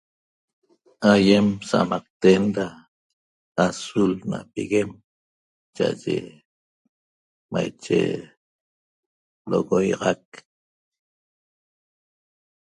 Aýem sa'amaqten da azul na piguem cha'aye maiche l'ogoýaxac